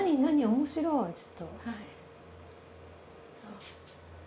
面白いちょっと。